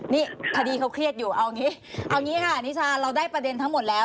นี่คดีเขาเครียดอยู่เอาอย่างนี้ค่ะนิชาเราได้ประเด็นทั้งหมดแล้ว